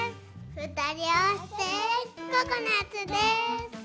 ふたりあわせてココナツです！